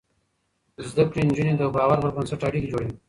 زده کړې نجونې د باور پر بنسټ اړيکې جوړوي.